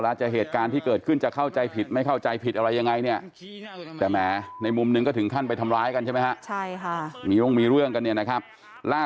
สามารถบอกจะจับลงกับตัวแค่นั้นล่ะก็ีงตัวนั้นบอก